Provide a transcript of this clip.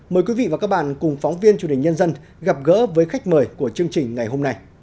mời quý vị và các bạn cùng phóng viên truyền hình nhân dân gặp gỡ với khách mời của chương trình ngày hôm nay